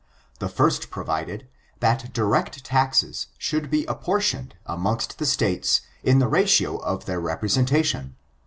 The first provided, that direct taxes should be apportioned amongst the States in the ratio of their representation.